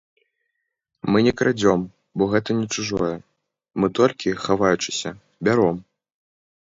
Мы не крадзём, бо гэта не чужое, мы толькі, хаваючыся, бяром!